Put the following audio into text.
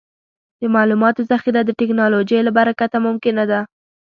د معلوماتو ذخیره د ټکنالوجۍ له برکته ممکنه ده.